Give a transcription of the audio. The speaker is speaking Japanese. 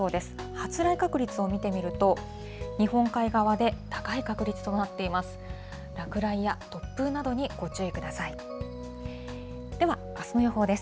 発雷確率を見てみると、日本海側で高い確率となっています。